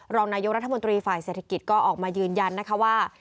รองนายกรัฐมนตรีฝ่ายเศรษฐกิจก็ออกมายืนยันนะคะว่า